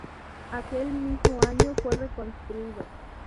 Aquel mismo año fue reconstruido.